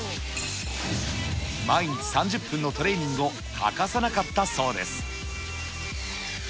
毎日３０分のトレーニングを欠かさなかったそうです。